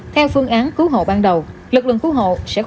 theo phương án cứu hộ ban đầu lực lượng cứu hộ sẽ khuẩn trương triển khai